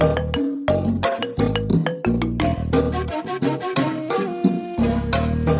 tak ada kelapa